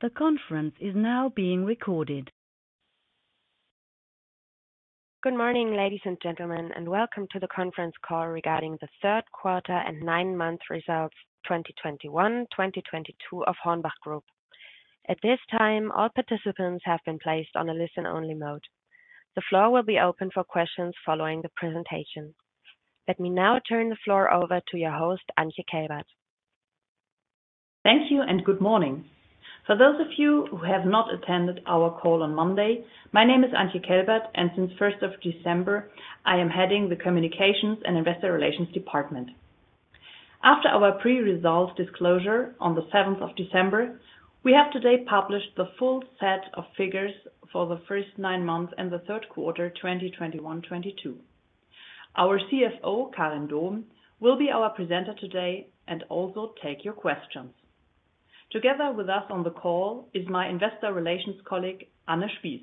The conference is now being recorded. Good morning, ladies and gentlemen, and welcome to the conference call regarding the Third Quarter and Nine-Month Results 2021/2022 of HORNBACH Group. At this time, all participants have been placed on a listen-only mode. The floor will be open for questions following the presentation. Let me now turn the floor over to your host, Antje Kelbert. Thank you and good morning. For those of you who have not attended our call on Monday, my name is Antje Kelbert, and since first of December, I am heading the Communications and Investor Relations department. After our preliminary results disclosure on December seventh, we have today published the full set of figures for the first nine months and the third quarter, 2021/2022. Our CFO, Karin Dohm, will be our presenter today and also take your questions. Together with us on the call is my investor relations colleague, Anne Spies.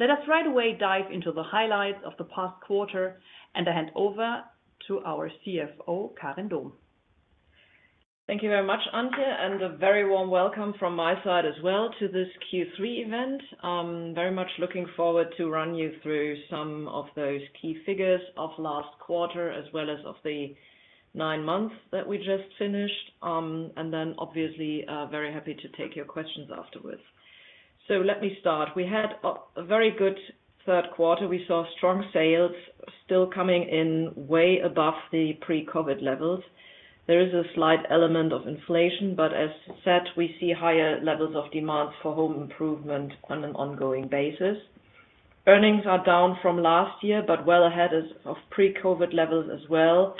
Let us right away dive into the highlights of the past quarter and I hand over to our CFO, Karin Dohm. Thank you very much, Antje, and a very warm welcome from my side as well to this Q3 event. Very much looking forward to run you through some of those key figures of last quarter as well as of the nine months that we just finished. Obviously, very happy to take your questions afterwards. Let me start. We had a very good third quarter. We saw strong sales still coming in way above the pre-COVID levels. There is a slight element of inflation, but as said, we see higher levels of demand for home improvement on an ongoing basis. Earnings are down from last year, but well ahead of pre-COVID levels as well.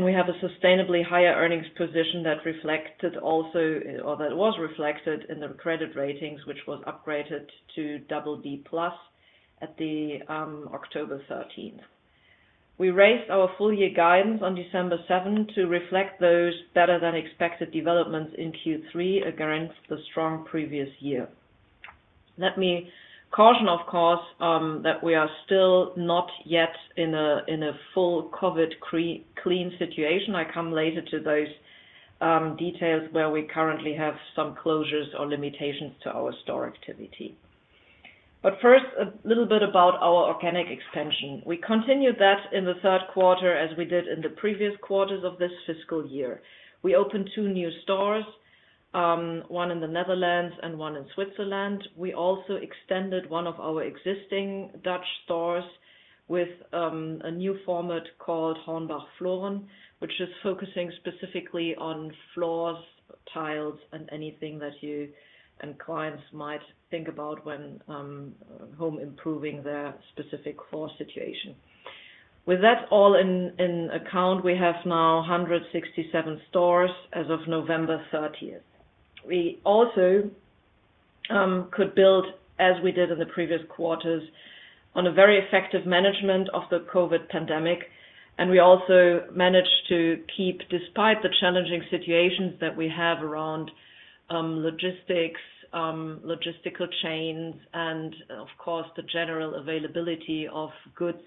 We have a sustainably higher earnings position that reflected also or that was reflected in the credit ratings, which was upgraded to BB+ at the October 13. We raised our full-year guidance on December 7 to reflect those better than expected developments in Q3 against the strong previous year. Let me caution, of course, that we are still not yet in a full COVID-clean situation. I come later to those details where we currently have some closures or limitations to our store activity. First, a little bit about our organic expansion. We continued that in the third quarter, as we did in the previous quarters of this fiscal year. We opened two new stores, one in the Netherlands and one in Switzerland. We also extended one of our existing Dutch stores with a new format called HORNBACH Vloeren, which is focusing specifically on floors, tiles, and anything that you and clients might think about when home improving their specific floor situation. With that all in account, we have now 167 stores as of November 30th. We also could build, as we did in the previous quarters, on a very effective management of the COVID pandemic, and we also managed to keep, despite the challenging situations that we have around logistics, logistical chains and of course, the general availability of goods,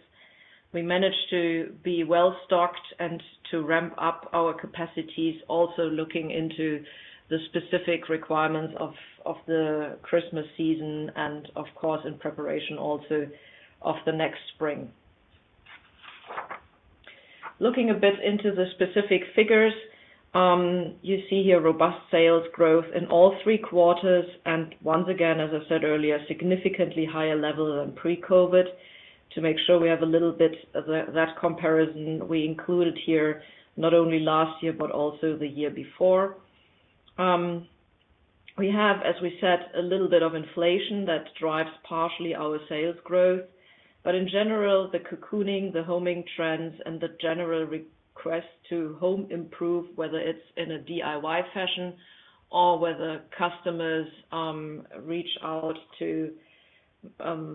we managed to be well-stocked and to ramp up our capacities also looking into the specific requirements of the Christmas season and of course, in preparation also of the next spring. Looking a bit into the specific figures, you see here robust sales growth in all three quarters and once again, as I said earlier, significantly higher level than pre-COVID. To make sure we have a little bit of that comparison, we included here not only last year, but also the year before. We have, as we said, a little bit of inflation that drives partially our sales growth. But in general, the cocooning, the homing trends and the general request to home improve, whether it's in a DIY fashion or whether customers reach out to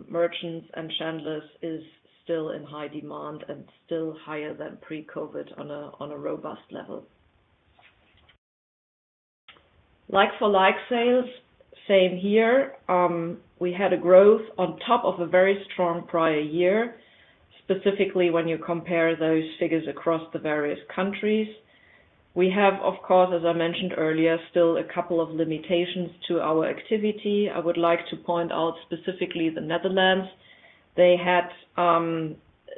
merchants and chandlers, is still in high demand and still higher than pre-COVID on a robust level. Like-for-like sales, same here. We had a growth on top of a very strong prior year, specifically when you compare those figures across the various countries. We have, of course, as I mentioned earlier, still a couple of limitations to our activity. I would like to point out specifically the Netherlands. They had,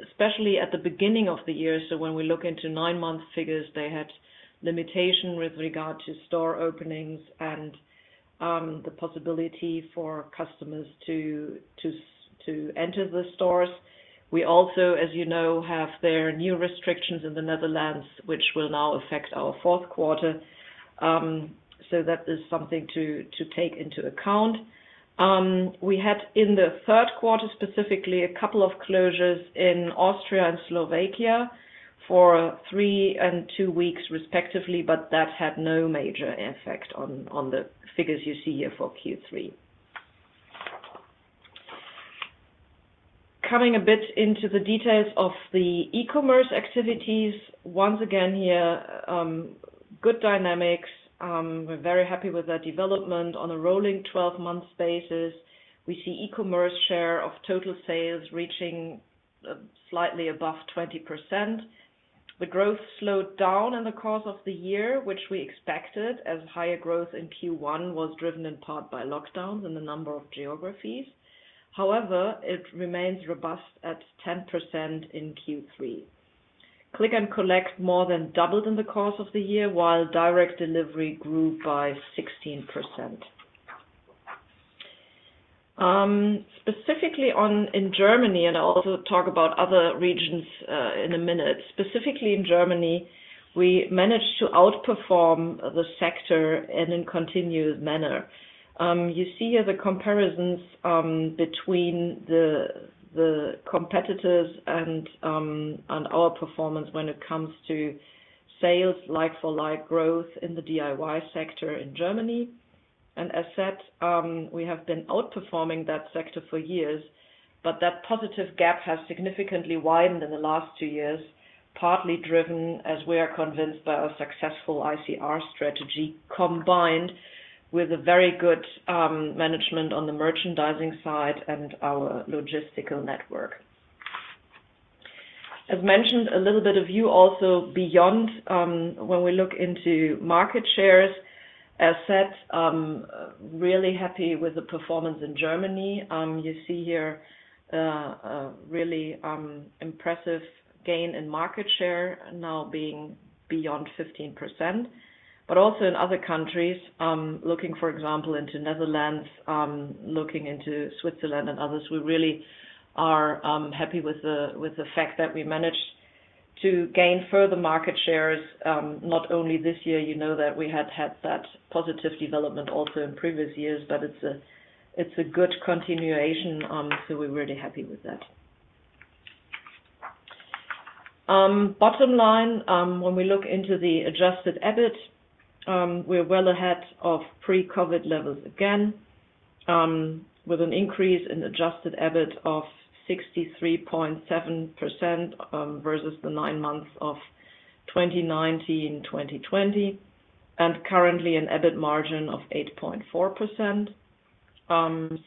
especially at the beginning of the year, so when we look into nine-month figures, they had limitations with regard to store openings and, the possibility for customers to enter the stores. We also, as you know, have these new restrictions in the Netherlands, which will now affect our fourth quarter. So that is something to take into account. We had in the third quarter, specifically a couple of closures in Austria and Slovakia for three and two weeks respectively, but that had no major effect on the figures you see here for Q3. Coming a bit into the details of the e-commerce activities. Once again here, good dynamics. We're very happy with our development. On a rolling 12-month basis, we see e-commerce share of total sales reaching slightly above 20%. The growth slowed down in the course of the year, which we expected as higher growth in Q1 was driven in part by lockdowns in a number of geographies. However, it remains robust at 10% in Q3. Click & Collect more than doubled in the course of the year, while direct delivery grew by 16%. Specifically in Germany, and I'll also talk about other regions, in a minute. Specifically in Germany, we managed to outperform the sector and in continued manner. You see here the comparisons between the competitors and our performance when it comes to sales like-for-like growth in the DIY sector in Germany. As said, we have been outperforming that sector for years, but that positive gap has significantly widened in the last two years, partly driven, as we are convinced, by our successful ICR strategy, combined with a very good management on the merchandising side and our logistical network. As mentioned, a little bit of view also beyond, when we look into market shares. As said, really happy with the performance in Germany. You see here, a really impressive gain in market share now being beyond 15%. Also in other countries, looking, for example, into the Netherlands, into Switzerland and others, we really are happy with the fact that we managed to gain further market shares, not only this year, you know that we had that positive development also in previous years, but it's a good continuation, so we're really happy with that. Bottom line, when we look into the adjusted EBIT, we're well ahead of pre-COVID levels, again, with an increase in adjusted EBIT of 63.7%, versus the nine months of 2019, 2020, and currently an EBIT margin of 8.4%.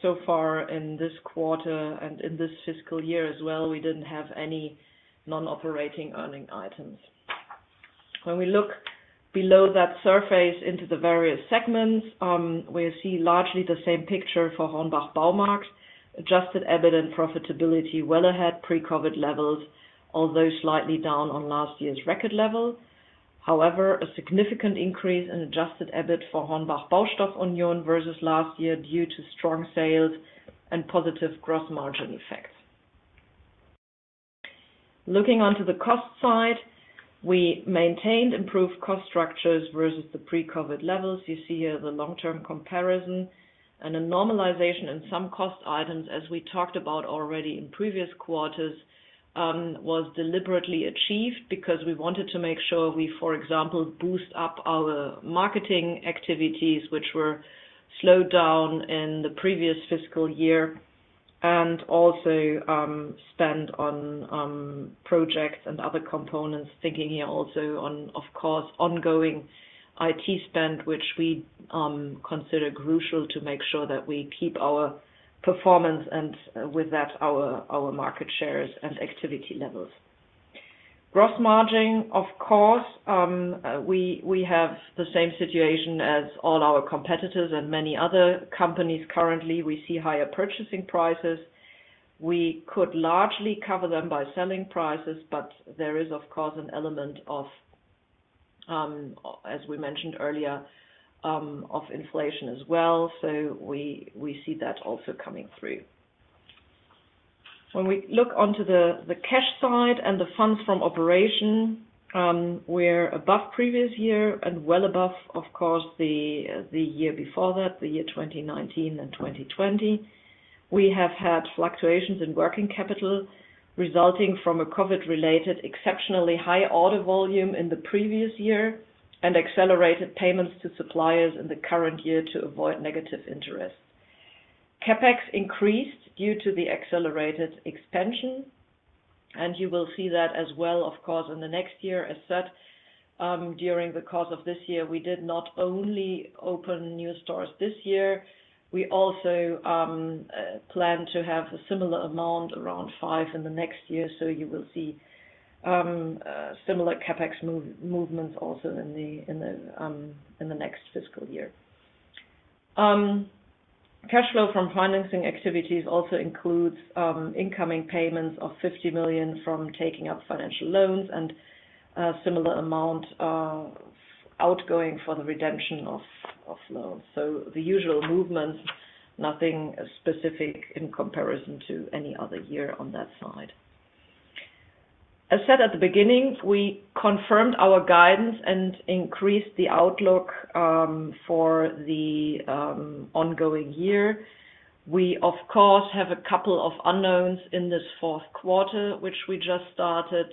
So far in this quarter and in this fiscal year as well, we didn't have any non-operating items. When we look below that surface into the various segments, we see largely the same picture for HORNBACH Baumarkt, adjusted EBIT and profitability well ahead pre-COVID levels, although slightly down on last year's record level. However, a significant increase in adjusted EBIT for HORNBACH Baustoff Union versus last year due to strong sales and positive gross margin effects. Looking at the cost side, we maintained improved cost structures versus the pre-COVID levels. You see here the long-term comparison and a normalization in some cost items, as we talked about already in previous quarters, was deliberately achieved because we wanted to make sure we, for example, boost up our marketing activities, which were slowed down in the previous fiscal year, and also, spend on projects and other components. Thinking here also on, of course, ongoing IT spend, which we consider crucial to make sure that we keep our performance and with that, our market shares and activity levels. Gross margin, of course, we have the same situation as all our competitors and many other companies currently. We see higher purchasing prices. We could largely cover them by selling prices, but there is of course an element of, as we mentioned earlier, of inflation as well. We see that also coming through. When we look onto the cash side and the funds from operation, we're above previous year and well above, of course, the year before that, the year 2019 and 2020. We have had fluctuations in working capital resulting from a COVID-related exceptionally high order volume in the previous year and accelerated payments to suppliers in the current year to avoid negative interest. CapEx increased due to the accelerated expansion, and you will see that as well, of course, in the next year. As said, during the course of this year, we did not only open new stores this year, we also plan to have a similar amount around five in the next year. You will see similar CapEx movements also in the next fiscal year. Cash flow from financing activities also includes incoming payments of 50 million from taking up financial loans and a similar amount of outgoing for the redemption of loans. The usual movements, nothing specific in comparison to any other year on that side. As said at the beginning, we confirmed our guidance and increased the outlook for the ongoing year. We, of course, have a couple of unknowns in this fourth quarter, which we just started.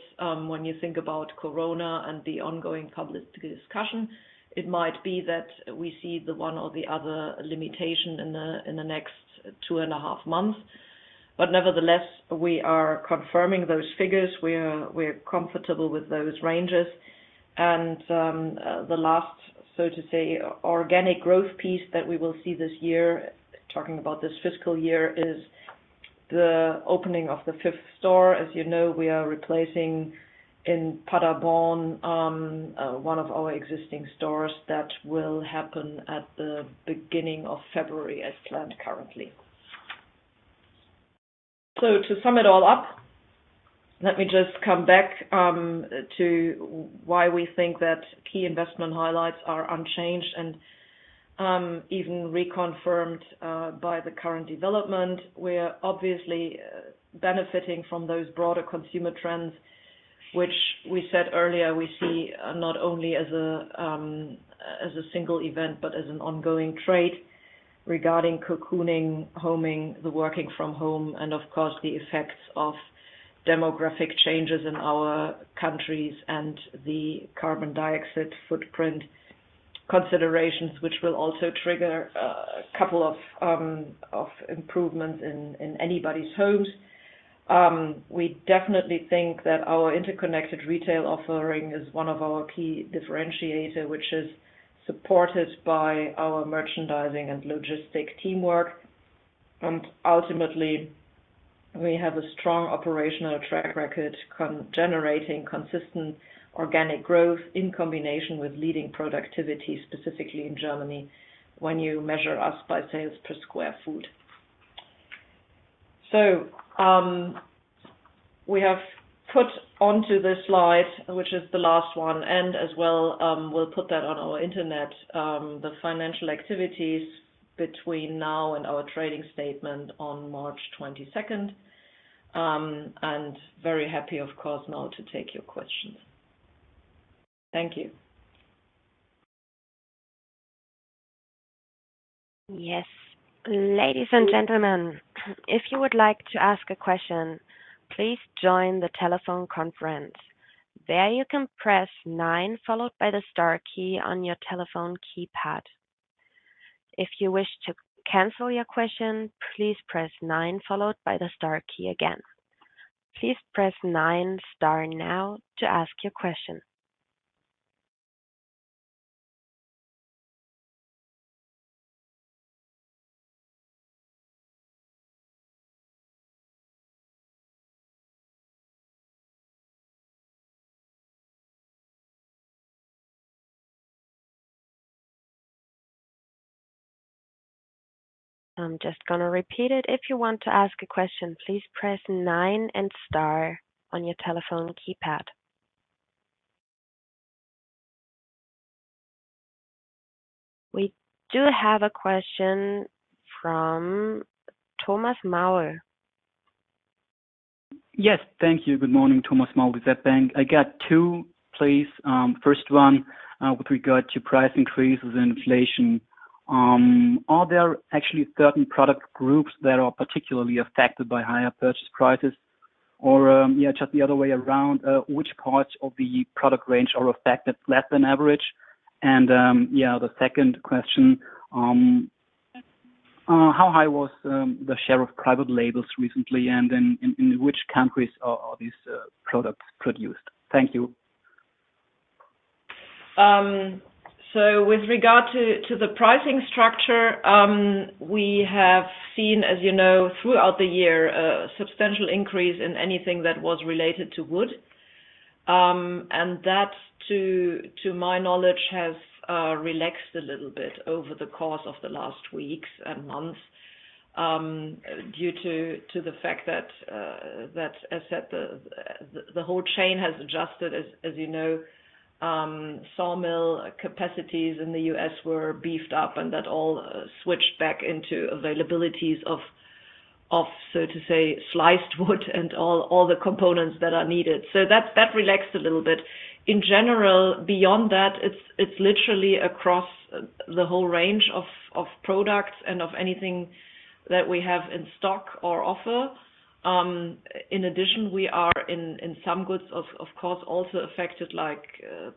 When you think about corona and the ongoing public discussion, it might be that we see the one or the other limitation in the next two and a half months. But nevertheless, we are confirming those figures. We are, we're comfortable with those ranges. The last, so to say, organic growth piece that we will see this year, talking about this fiscal year, is the opening of the fifth store. As you know, we are replacing in Paderborn one of our existing stores that will happen at the beginning of February as planned currently. To sum it all up, let me just come back to why we think that key investment highlights are unchanged and even reconfirmed by the current development. We are obviously benefiting from those broader consumer trends, which we said earlier, we see not only as a single event but as an ongoing trend regarding cocooning, homing, the working from home, and of course, the effects of demographic changes in our countries and the carbon footprint considerations, which will also trigger a couple of improvements in anybody's homes. We definitely think that our interconnected retail offering is one of our key differentiator, which is supported by our merchandising and logistics teamwork. Ultimately, we have a strong operational track record of generating consistent organic growth in combination with leading productivity, specifically in Germany, when you measure us by sales per square meter. We have put onto this slide, which is the last one, and as well, we'll put that on our Internet, the financial activities between now and our trading statement on March 22nd. I'm very happy, of course, now to take your questions. Thank you. Yes. Ladies and gentlemen, if you would like to ask a question, please join the telephone conference. There, you can press nine, followed by the star key on your telephone keypad. If you wish to cancel your question, please press nine, followed by the star key again. Please press nine star now to ask your question. I'm just gonna repeat it. If you want to ask a question, please press nine and star on your telephone keypad. We do have a question from Thomas Maul. Yes. Thank you. Good morning. Thomas Maul with DZ Bank. I got two, please. First one, with regard to price increases and inflation. Are there actually certain product groups that are particularly affected by higher purchase prices? Or, yeah, just the other way around, which parts of the product range are affected less than average? And, yeah, the second question, how high was the share of private labels recently? And in which countries are these products produced? Thank you. With regard to the pricing structure, we have seen, as you know, throughout the year, a substantial increase in anything that was related to wood. That, to my knowledge, has relaxed a little bit over the course of the last weeks and months, due to the fact that that aspect, the whole chain has adjusted, as you know, sawmill capacities in the U.S. were beefed up, and that all switched back into availabilities of, so to say, sliced wood and all the components that are needed. That relaxed a little bit. In general, beyond that, it's literally across the whole range of products and of anything that we have in stock or offer. In addition, we are in some goods, of course, also affected like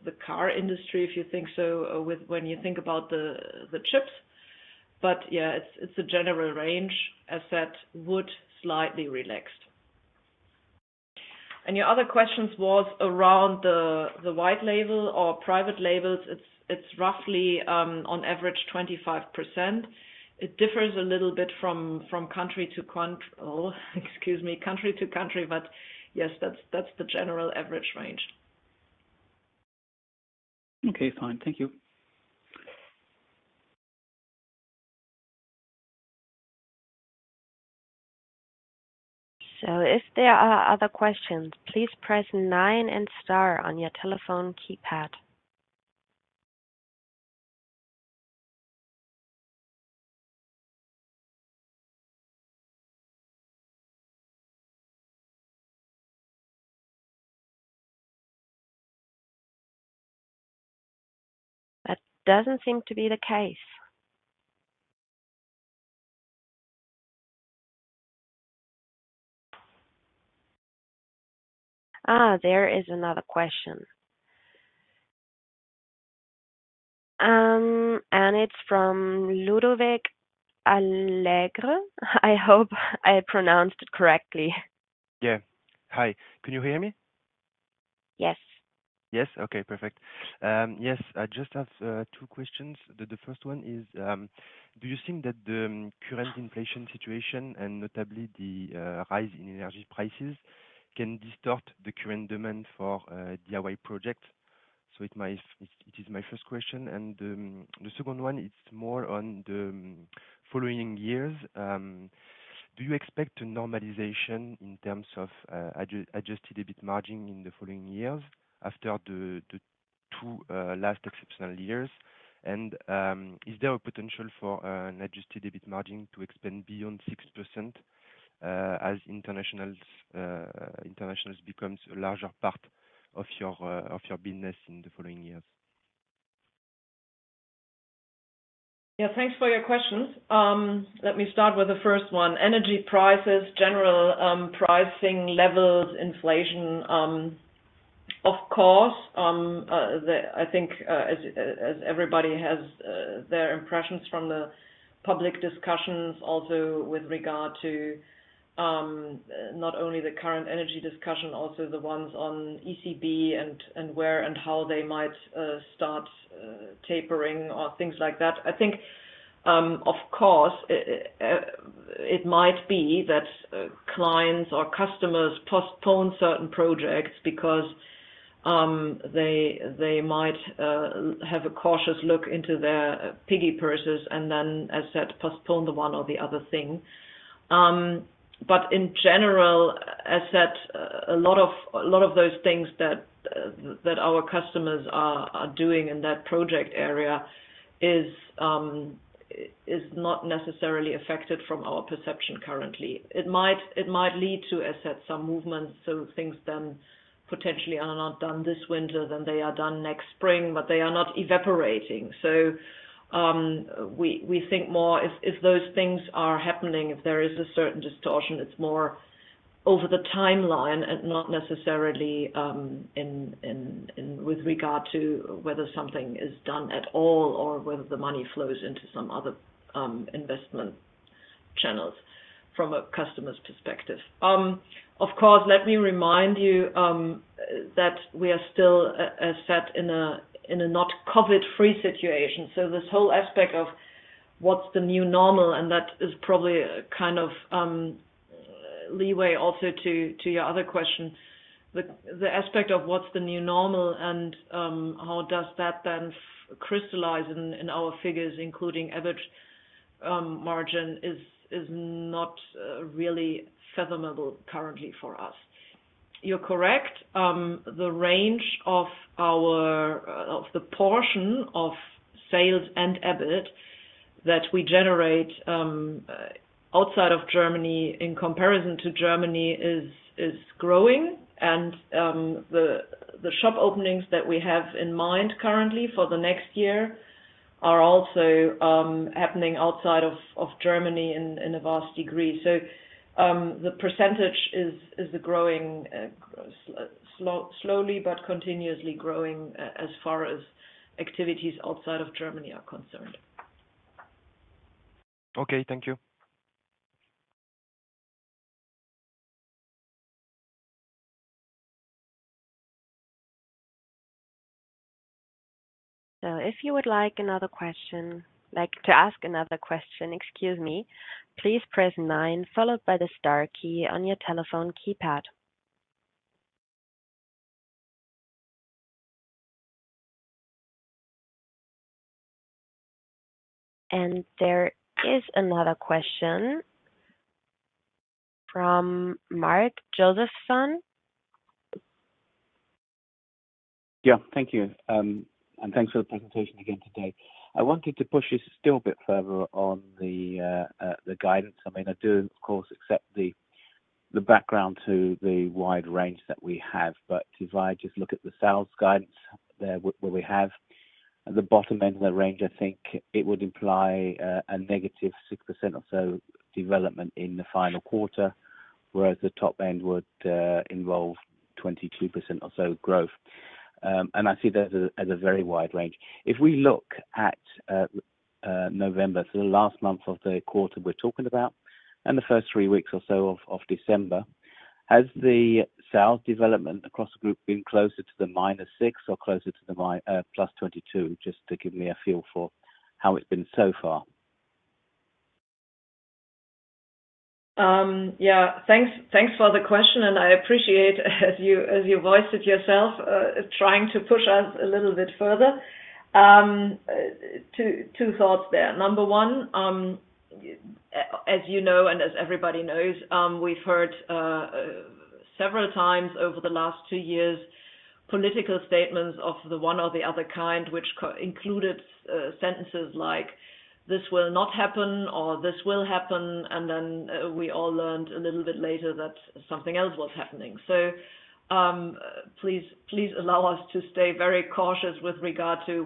the car industry if you think about the chips. Yeah, it's a general range. Solid wood slightly relaxed. Your other questions was around the white label or private labels. It's roughly on average 25%. It differs a little bit from country to country. Yes, that's the general average range. Okay, fine. Thank you. If there are other questions, please press nine and star on your telephone keypad. That doesn't seem to be the case. There is another question. It's from Ludovic Allegre. I hope I pronounced it correctly. Yeah. Hi. Can you hear me? Yes. Yes? Okay, perfect. I just have two questions. The first one is, do you think that the current inflation situation and notably the rise in energy prices can distort the current demand for DIY projects? It is my first question. The second one is more on the following years. Do you expect a normalization in terms of adjusted EBIT margin in the following years after the two last exceptional years? Is there a potential for an adjusted EBIT margin to expand beyond 6%, as internationals becomes a larger part of your business in the following years? Yeah, thanks for your questions. Let me start with the first one. Energy prices, general pricing levels, inflation, of course, I think as everybody has their impressions from the public discussions also with regard to not only the current energy discussion, also the ones on ECB and where and how they might start tapering or things like that. I think, of course, it might be that clients or customers postpone certain projects because they might have a cautious look into their piggy banks and then, as said, postpone the one or the other thing. But in general, as said, a lot of those things that our customers are doing in that project area is not necessarily affected from our perception currently. It might lead to, as said, some movement, so things then potentially are not done this winter than they are done next spring, but they are not evaporating. We think more if those things are happening, if there is a certain distortion, it's more over the timeline and not necessarily with regard to whether something is done at all or whether the money flows into some other investment channels from a customer's perspective. Of course, let me remind you that we are still, as said, in a not COVID-free situation. This whole aspect of what's the new normal, and that is probably kind of leeway also to your other question. The aspect of what's the new normal and how does that then crystallize in our figures, including EBIT margin, is not really fathomable currently for us. You're correct. The range of the portion of sales and EBIT that we generate outside of Germany in comparison to Germany is growing. The shop openings that we have in mind currently for the next year are also happening outside of Germany in a vast degree. The percentage is growing slowly but continuously growing as far as activities outside of Germany are concerned. Okay. Thank you. If you would like to ask another question, excuse me, please press nine followed by the star key on your telephone keypad. There is another question from Mark Josephson. Yeah. Thank you. Thanks for the presentation again today. I wanted to push you still a bit further on the guidance. I mean, I do, of course, accept the background to the wide range that we have. If I just look at the sales guidance there where we have at the bottom end of the range, I think it would imply a negative 6% or so development in the final quarter, whereas the top end would involve 22% or so growth. I see that as a very wide range. If we look at November, so the last month of the quarter we're talking about and the first three weeks or so of December, has the sales development across the group been closer to the -6% or closer to the +22%? Just to give me a feel for how it's been so far. Yeah. Thanks for the question, and I appreciate, as you voiced it yourself, trying to push us a little bit further. Two thoughts there. Number one, as you know and as everybody knows, we've heard several times over the last two years, political statements of the one or the other kind, which included sentences like, "This will not happen," or, "This will happen." Then we all learned a little bit later that something else was happening. Please allow us to stay very cautious with regard to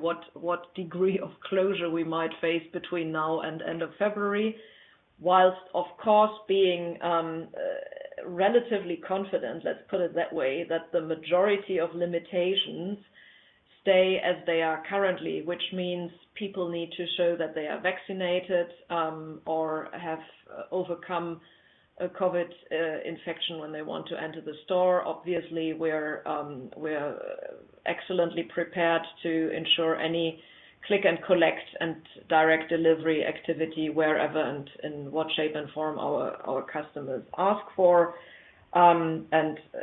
what degree of closure we might face between now and end of February, while of course, being relatively confident, let's put it that way, that the majority of limitations stay as they are currently, which means people need to show that they are vaccinated, or have overcome a COVID infection when they want to enter the store. Obviously, we're excellently prepared to ensure any Click & Collect and direct delivery activity wherever and in what shape and form our customers ask for. And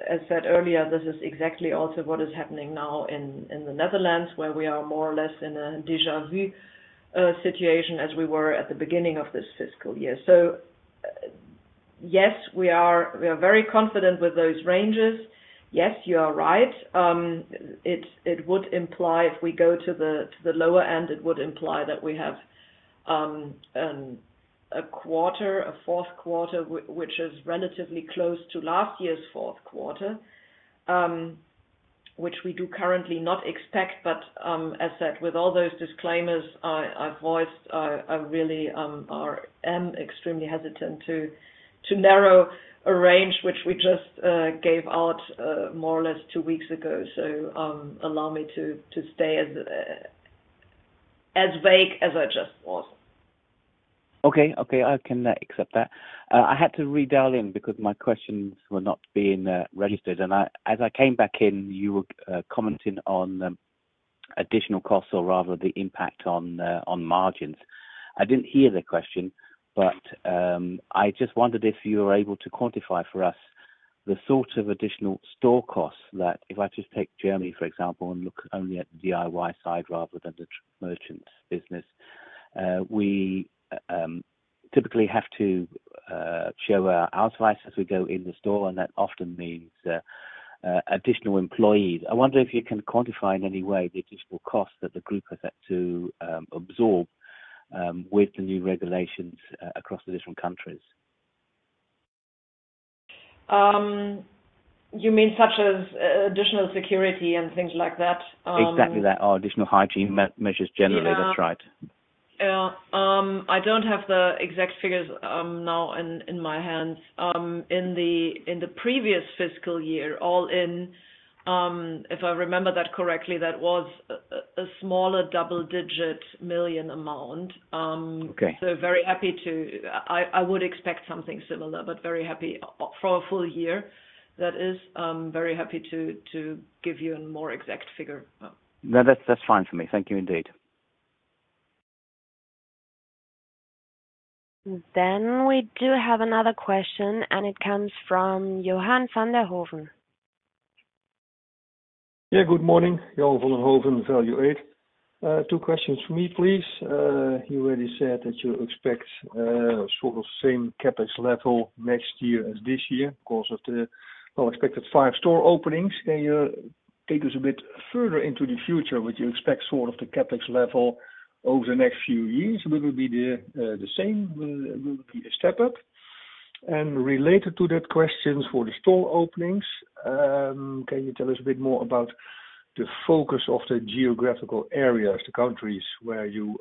as said earlier, this is exactly also what is happening now in the Netherlands, where we are more or less in a déjà vu situation as we were at the beginning of this fiscal year. Yes, we are very confident with those ranges. Yes, you are right. It would imply if we go to the lower end, it would imply that we have a fourth quarter which is relatively close to last year's fourth quarter, which we do currently not expect. As said, with all those disclaimers I've voiced, I really am extremely hesitant to narrow a range which we just gave out more or less two weeks ago. Allow me to stay as vague as I just was. Okay. I can accept that. I had to redial in because my questions were not being registered. As I came back in, you were commenting on additional costs or rather the impact on margins. I didn't hear the question, but I just wondered if you were able to quantify for us the sort of additional store costs that, if I just take Germany, for example, and look only at the DIY side rather than the merchant business, we typically have to show our advice as we go in the store, and that often means additional employees. I wonder if you can quantify in any way the additional costs that the group has had to absorb with the new regulations across the different countries? You mean such as additional security and things like that? Exactly that. Additional hygiene measures generally. That's right. Yeah. I don't have the exact figures now in my hands. In the previous fiscal year, all in, if I remember that correctly, that was a smaller double-digit million amount. Okay. I would expect something similar, but very happy. For a full year, that is, very happy to give you a more exact figure. No, that's fine for me. Thank you, indeed. We do have another question, and it comes from Johan Van Den Hooven. Yeah. Good morning. Johan Van Den Hooven, Value8. Two questions for me, please. You already said that you expect sort of same CapEx level next year as this year because of the well expected five store openings. Can you take us a bit further into the future what you expect sort of the CapEx level over the next few years? Will it be the same? Will it be a step-up? Related to that question for the store openings, can you tell us a bit more about the focus of the geographical areas, the countries where you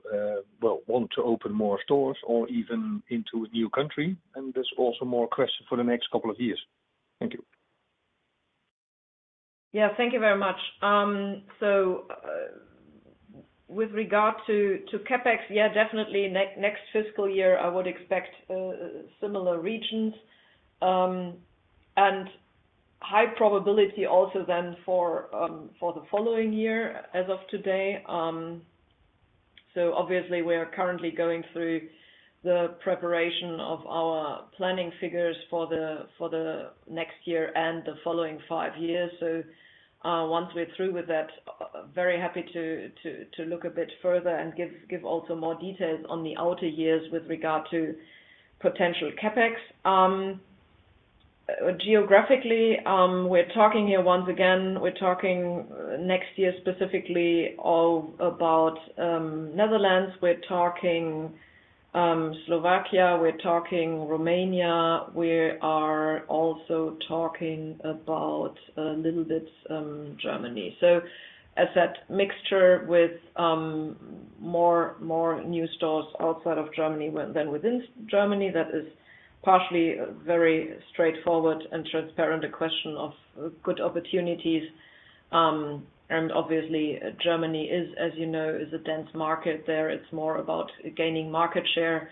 well want to open more stores or even into a new country? There's also one more question for the next couple of years. Thank you. Yeah. Thank you very much. With regard to CapEx, yeah, definitely next fiscal year, I would expect similar regions and high probability also then for the following year as of today. Obviously we are currently going through the preparation of our planning figures for the next year and the following five years. Once we're through with that, very happy to look a bit further and give also more details on the outer years with regard to potential CapEx. Geographically, we're talking here once again next year specifically all about Netherlands. We're talking Slovakia, Romania. We are also talking about a little bit Germany. As that mixture with more new stores outside of Germany than within Germany, that is partially very straightforward and transparent, a question of good opportunities. Obviously Germany is, as you know, a dense market there. It's more about gaining market share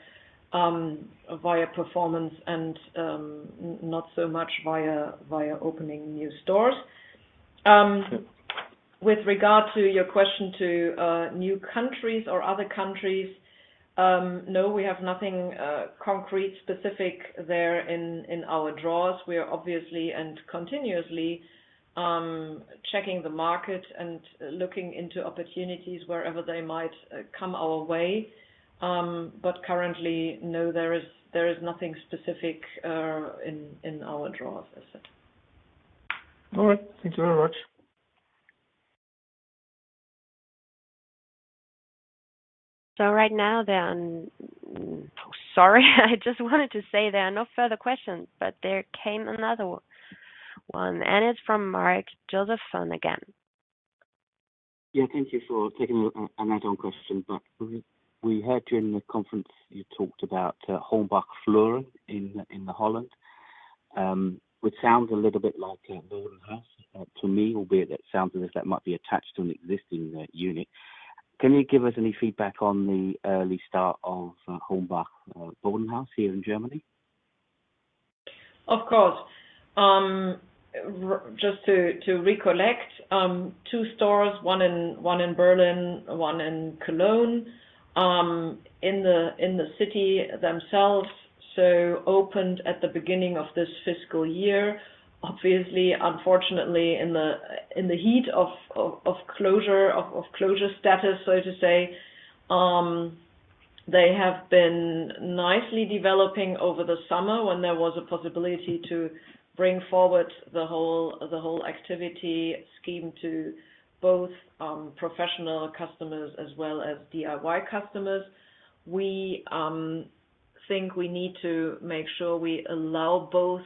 via performance and not so much via opening new stores. With regard to your question to new countries or other countries, no, we have nothing concrete specific there in our draws. We are obviously and continuously checking the market and looking into opportunities wherever they might come our way. Currently, no, there is nothing specific in our draws, as said. All right. Thank you very much. Sorry, I just wanted to say there are no further questions, but there came another one, and it's from Mark Josephson again. Yeah. Thank you for taking an add-on question. We heard in the conference you talked about HORNBACH Vloeren in Holland, which sounds a little bit like a Bodenhaus to me, albeit it sounds as if that might be attached to an existing unit. Can you give us any feedback on the early start of HORNBACH Bodenhaus here in Germany? Of course. Just to recollect, two stores, one in Berlin, one in Cologne, in the city themselves, so opened at the beginning of this fiscal year. Obviously, unfortunately, in the heat of closure status, so to say. They have been nicely developing over the summer when there was a possibility to bring forward the whole activity scheme to both professional customers as well as DIY customers. We think we need to make sure we allow both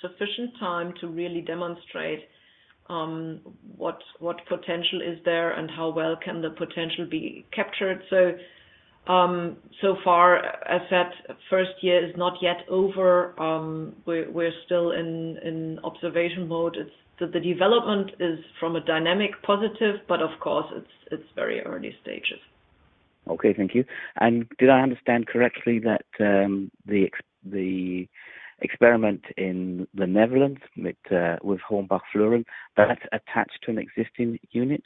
sufficient time to really demonstrate what potential is there and how well the potential can be captured. So far as that first year is not yet over, we're still in observation mode. It's the development is from a dynamic positive, but of course, it's very early stages. Okay, thank you. Did I understand correctly that the experiment in the Netherlands with HORNBACH Vloeren, that's attached to an existing unit?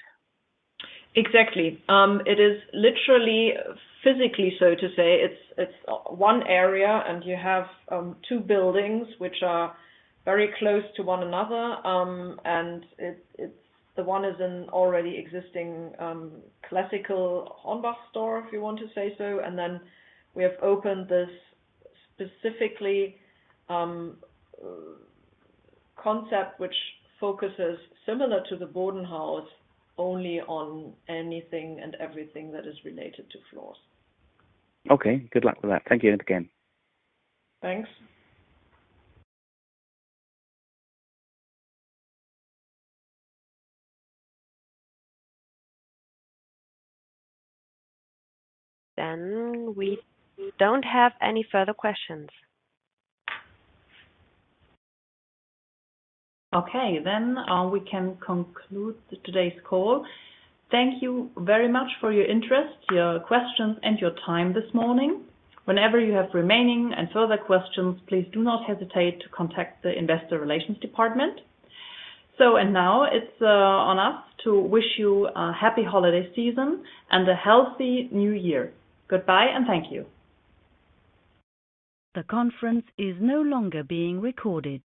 Exactly. It is literally physically, so to say, it's one area, and you have two buildings which are very close to one another. It's the one is an already existing classical HORNBACH store, if you want to say so. We have opened this specific concept which focuses similar to the Bodenhaus only on anything and everything that is related to floors. Okay. Good luck with that. Thank you again. Thanks. We don't have any further questions. Okay. We can conclude today's call. Thank you very much for your interest, your questions, and your time this morning. Whenever you have remaining and further questions, please do not hesitate to contact the Investor Relations department. And now it's on us to wish you a happy holiday season and a healthy new year. Goodbye, and thank you. The conference is no longer being recorded.